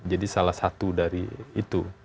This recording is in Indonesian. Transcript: jadi salah satu dari itu